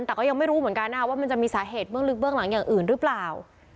แต่ก็ยังไม่รู้เหมือนกันนะว่ามันจะมีสาเหตุเบื้องลึกเบื้องหลังอย่างอื่นหรือเปล่า